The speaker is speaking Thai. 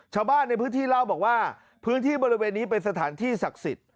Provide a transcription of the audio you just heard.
ชาวบ้านในพื้นที่เล่าบอกว่าพื้นที่บริเวณนี้เป็นสถานที่ศักดิ์สิทธิ์